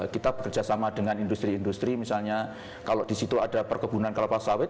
kita bekerjasama dengan industri industri misalnya kalau di situ ada perkebunan kelapa sawit